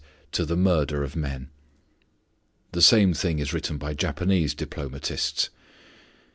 _ to the murder of men. The same thing is written by Japanese diplomatists.